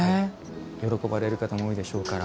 喜ばれる方も多いでしょうから。